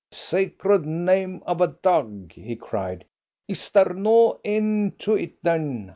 "Sacred name of a dog!" he cried. "Is there no end to it, then?